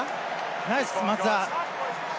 ナイス、松田！